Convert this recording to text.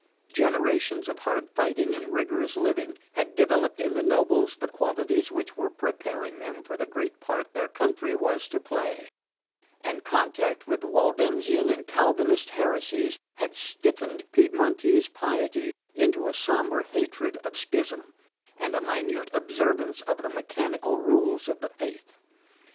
Generations of hard fighting and rigorous living had developed in the nobles the qualities which were preparing them for the great part their country was to play; and contact with the Waldensian and Calvinist heresies had stiffened Piedmontese piety into a sombre hatred of schism and a minute observance of the mechanical rules of the faith.